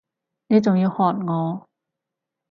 你仲要喝我！